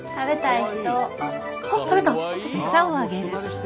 あっ食べた。